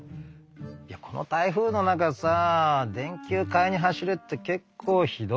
いやこの台風の中さ電球買いに走れって結構ひどくない？